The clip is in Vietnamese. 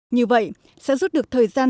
như vậy sẽ giúp được thời gian